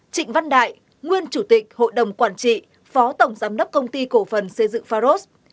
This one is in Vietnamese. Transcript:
trịnh văn đại nguyên chủ tịch hội đồng quản trị phó tổng giám đốc công ty cổ phần xây dựng pharos